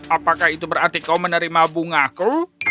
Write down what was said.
apakah itu berarti kau menerima bungaku